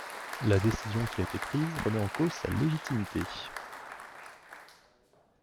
La décision qui a été prise remet en cause sa légitimité.